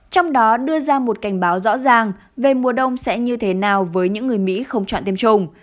trong đó đưa ra một cảnh báo rõ ràng về mùa đông sẽ như thế nào với những người mỹ không chọn tiêm chủng